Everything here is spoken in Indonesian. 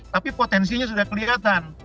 tapi potensinya sudah kelihatan